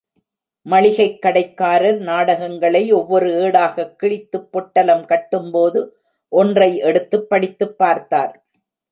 மளிகைக் கடைக்காரர், நாடகங்களை ஒவ்வொரு ஏடாகக் கிழித்துப் பொட்டலம் கட்டும்போது, ஒன்றை எடுத்துப் படித்துப் பார்த்தார்.